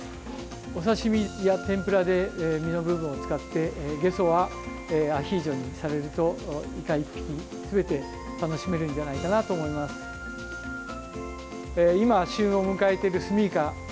お刺身や天ぷらで身の部分を使ってゲソはアヒージョにされるとイカ１匹すべて楽しめるんじゃないかなと思います。